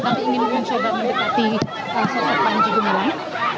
tapi ingin mencoba mendekati sosok panji gumilang